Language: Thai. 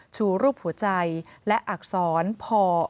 ชูรูปหัวใจและอักษรพอ